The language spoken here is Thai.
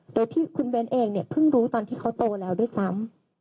โดยที่คุณเบ้นเองเนี่ยเพิ่งรู้ตอนที่เขาโตแล้วด้วยซ้ำ